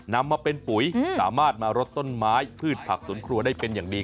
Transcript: นำมาเป็นปุ๋ยสามารถมารดต้นไม้พืชผักสวนครัวได้เป็นอย่างดี